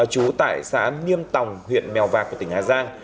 trú tại xã niêm tòng huyện mèo vạc tỉnh hà giang